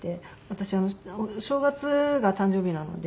私お正月が誕生日なので。